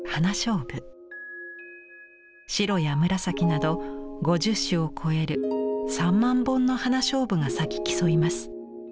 白や紫など５０種を超える３万本の花菖蒲が咲き競います。